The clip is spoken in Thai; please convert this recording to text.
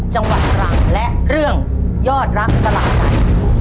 จังหวัดตรังและเรื่องยอดรักสละใจ